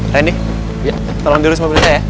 reni tolong diri semua beresnya ya